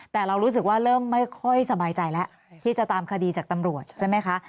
แต่เรารู้สึกว่าเริ่มไม่ค่อยสบายใจแล้วที่จะตามคดีจากตำรวจใช่ไหมคะ